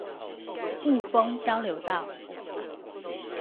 霧峰交流道